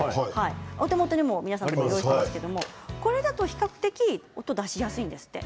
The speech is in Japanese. お手元にも皆さんあると思いますけれどこれだと比較的音を出しやすいんですって。